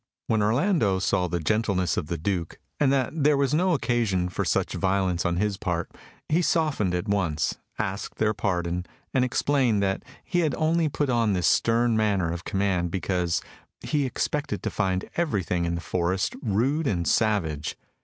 When Orlando saw the gentleness of the Duke, and that there was no occasion for such violence on his part, he softened at once, asked their pardon, and explained that he had only put on this stern manner of command because he expected to find everything in the forest rude and savage.